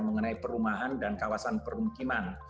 mengenai perumahan dan kawasan permukiman